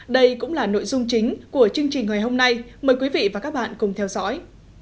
đây cũng là nội dung chính của chương trình ngày hôm nay mời quý vị và các bạn cùng theo dõi